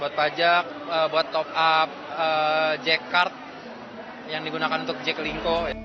buat pajak buat top up jack card yang digunakan untuk jack lingko